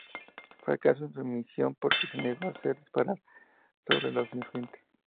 Fracasó en su misión porque se negó a hacer disparar sobre los insurgentes.